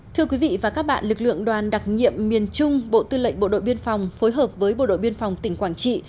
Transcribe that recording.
thưa quý vị và các bạn lực lượng đoàn đặc nhiệm miền trung bộ tư lệnh bộ đội biên phòng phối hợp với bộ đội biên phòng tỉnh quảng trị